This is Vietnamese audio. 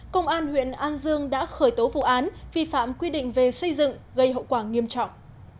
công an huyện an dương đã khởi tố vụ án vi phạm quy định về xây dựng gây hậu quả nghiêm trọng